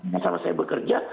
yang sama saya bekerja